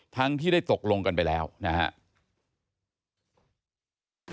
ทั้งที่ได้ตกลงกันไปแล้วนะครับ